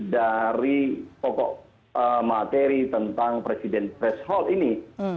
dari pokok materi tentang presiden pres hall ini